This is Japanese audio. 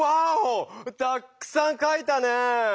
たっくさん書いたねぇ。